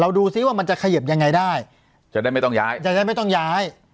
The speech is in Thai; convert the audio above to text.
ดูซิว่ามันจะเขยิบยังไงได้จะได้ไม่ต้องย้ายจะได้ไม่ต้องย้าย